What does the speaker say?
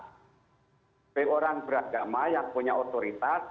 sebagai orang beragama yang punya otoritas